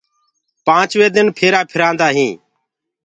پآنچوينٚ دن ڦيرآ ڦيرآندآ هينٚ۔